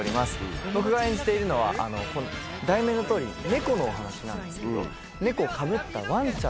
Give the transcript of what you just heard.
僕が演じているのは題名のとおりネコのお話なんですけどネコをかぶったワンちゃんの役をやっています。